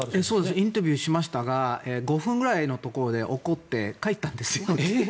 インタビューしましたが５分ぐらいのところで怒って帰ったんですよ。